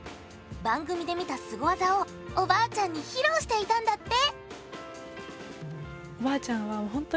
番組で見たスゴ技をおばあちゃんに披露していたんだって！